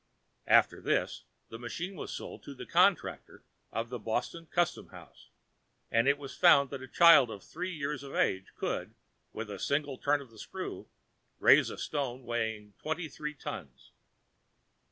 After this, the machine was sold to the contractor of the Boston Custom House, and it was found that a child of three years of age could, by a single turn of the screw, raise a stone weighing twenty three tons.